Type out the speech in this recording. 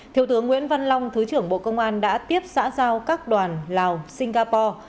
thiếu tướng nguyễn văn long thứ trưởng bộ công an đã tiếp xã giao các đoàn lào singapore